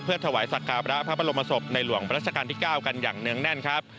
เพื่อถวายสัตว์ขาพระพระพระลมศพในหลวงประชการที่๙กันอย่างเนื้องแน่นครับ